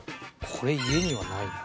これ家にはないな。